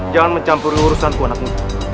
jangan mencampur urusan ku anakmu